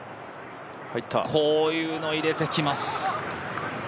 こういうの入れてきます。